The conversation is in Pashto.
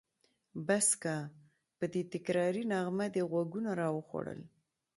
بس که! په دې تکراري نغمه دې غوږونه راوخوړل.